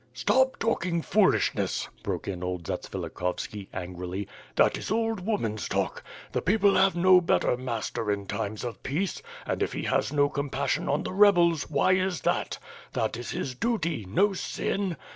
"Stop talking foolishness," broke in old Zatsvilikhovski, angrily, "that is old woman's talk. The people have no better master in times of peace; and, if he has no compassion on the rebels, why is that? That is his duty, no sin.